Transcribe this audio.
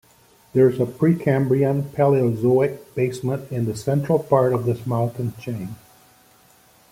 There is a Precambrian-Paleozoic basement in the central part of this mountain chain.